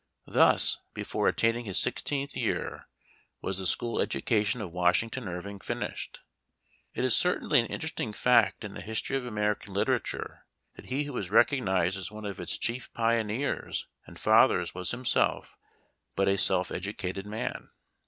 Thus, before attaining his sixteenth year, was the school education of Washington Irving finished. It is certainly an interesting fact in the history of American literature that he who i is recognized as one of its chief pioneers and fathers was himself but a self educated man.